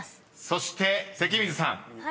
［そして関水さん］